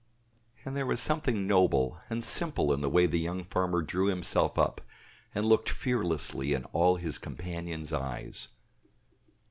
And there was something noble and simple in the way the young farmer drew himself up, and looked fearlessly in all his companions' eyes.